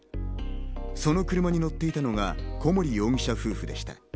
その車に乗っていたのが小森容疑者夫婦でした。